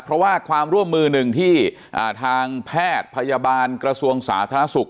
เพราะว่าความร่วมมือหนึ่งที่ทางแพทย์พยาบาลกระทรวงสาธารณสุข